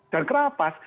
dan kenapa pas